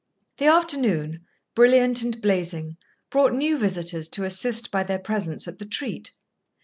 The afternoon, brilliant and blazing, brought new visitors to assist by their presence at the treat.